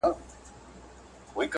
یاغیتوب نه مې لاس وانخیست